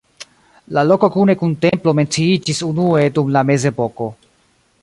La loko kune kun templo menciiĝis unue dum la mezepoko.